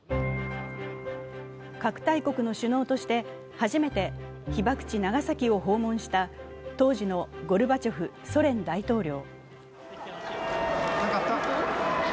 核大国の首脳として初めて被爆地・長崎を訪問した当時のゴルバチョフソ連大統領。